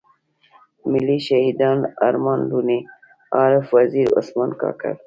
ملي شهيدان ارمان لوڼی، عارف وزير، عثمان کاکړ.